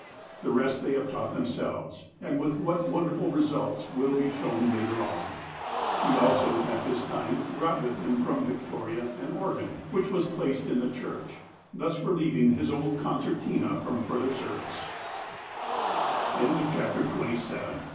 The rest they have taught themselves, and with what wonder ful results will be shown later on. He also, at this time, brought with him from Victoria an organ, which was placed in the church, thus relieving his old concert